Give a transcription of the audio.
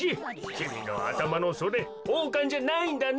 きみのあたまのそれおうかんじゃないんだね。